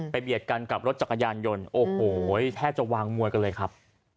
เบียดกันกับรถจักรยานยนต์โอ้โหแทบจะวางมวยกันเลยครับ